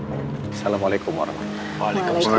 assalamualaikum warahmatullahi wabarakatuh